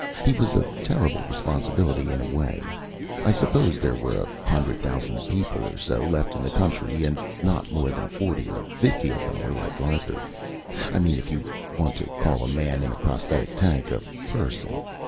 He was a terrible responsibility, in a way. I suppose there were a hundred thousand people or so left in the country, and not more than forty or fifty of them were like Arthur I mean if you want to call a man in a prosthetic tank a "person."